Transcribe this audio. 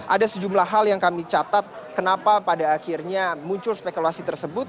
ada sejumlah hal yang kami catat kenapa pada akhirnya muncul spekulasi tersebut